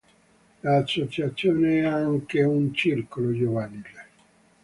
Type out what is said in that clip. L'associazione ha anche un circolo giovanile.